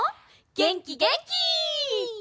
げんきげんき！